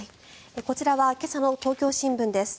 こちらは今朝の東京新聞です。